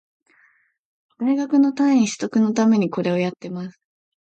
大学の単位取得のためにこれをやってます